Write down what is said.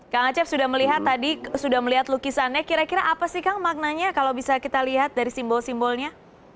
kang acep sudah melihat tadi sudah melihat lukisannya kira kira apa sih kang maknanya kalau bisa kita lihat dari simbol simbolnya